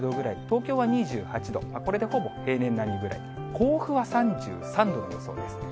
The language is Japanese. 東京は２８度、これでほぼ平年並みぐらい、甲府は３３度の予想です。